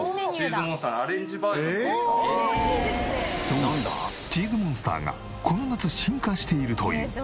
そうチーズモンスターがこの夏進化しているという。